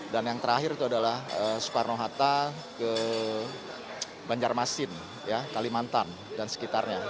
dan yang terakhir itu adalah soekarno hatta ke banjarmasin kalimantan dan sekitarnya